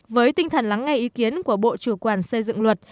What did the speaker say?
với tinh thần lắng nghe ý kiến của bộ chủ quản xây dựng luật